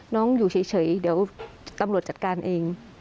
อยู่เฉยเดี๋ยวตำรวจจัดการเอง